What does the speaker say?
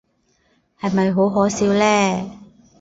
係咪好可笑呢？